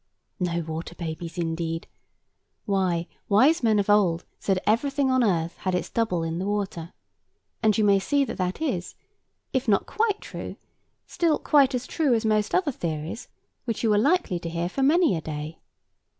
No water babies, indeed? Why, wise men of old said that everything on earth had its double in the water; and you may see that that is, if not quite true, still quite as true as most other theories which you are likely to hear for many a day.